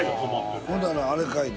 ほんならあれかいな。